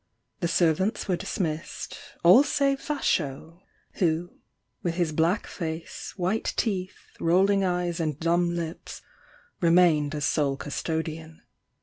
The servants were dismissed, all save Vasho, who, with his black face, white teeth, rolling eyes and dumb lips, remained as sole custodian.